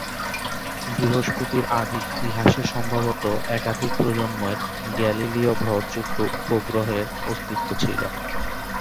বৃহস্পতির আদি ইতিহাসে সম্ভবত একাধিক প্রজন্মের গ্যালিলীয়-ভরযুক্ত উপগ্রহের অস্তিত্ব ছিল।